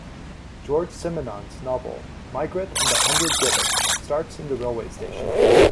Georges Simenon's novel "Maigret and the Hundred Gibbets" starts in the railway station.